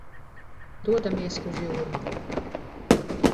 Dodamies uz Jūrmalu.